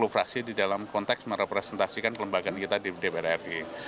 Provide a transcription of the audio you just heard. sepuluh fraksi di dalam konteks merepresentasikan kelembagaan kita di dpr ri